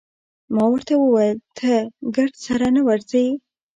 ما ورته وویل: ته ګرد سره نه ورځې؟